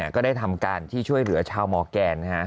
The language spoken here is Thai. ก็ได้ทำการที่ช่วยเหลือชาวมอร์แกน